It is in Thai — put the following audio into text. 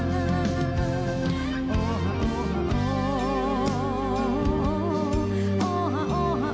ฮังเดอร์ไอลาซิววสุฟัง